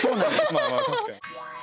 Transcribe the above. まあまあ確かに。